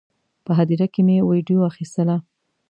په هدیره کې مې ویډیو اخیستله.